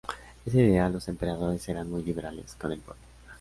Ese día los emperadores eran muy liberales con el pueblo.